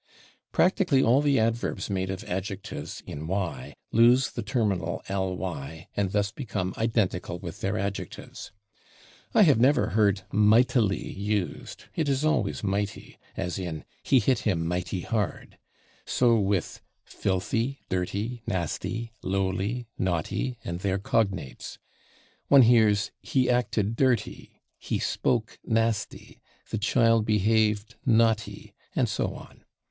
Practically all the adverbs made of adjectives in / y/ lose the terminal / ly/ and thus become identical with their adjectives. I have never heard /mightily/ used; it is always /mighty/, as in "he hit him /mighty/ hard." So with /filthy/, /dirty/, /nasty/, /lowly/, /naughty/ and their cognates. One hears "he acted /dirty/," "he spoke /nasty/," "the child behaved /naughty/," and so on.